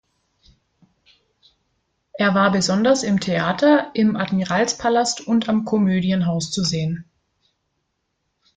Er war besonders im Theater im Admiralspalast und am Komödienhaus zu sehen.